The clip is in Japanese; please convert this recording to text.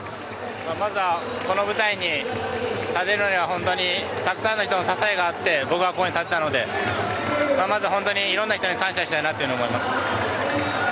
まずはこの舞台に立てるのには本当にたくさんの人の支えがあって僕はここに立ったのでいろんな人に感謝したいなと思います。